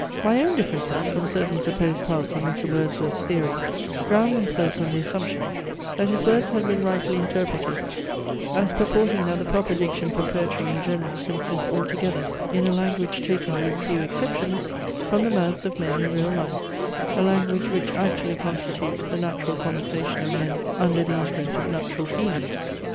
My own differences from certain supposed parts of Mr. Wordsworth's theory ground themselves on the assumption, that his words had been rightly interpreted, as purporting that the proper diction for poetry in general consists altogether in a language taken, with due exceptions, from the mouths of men in real life, a language which actually constitutes the natural conversation of men under the influence of natural feelings.